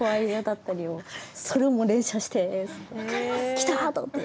きた！と思って。